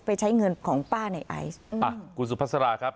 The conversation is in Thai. ไปใช้เงินของป้าในไอซ์อืมอ่ะคุณสุพัสราครับ